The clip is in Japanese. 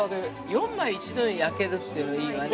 ◆４枚一度に焼けるというのはいいわね。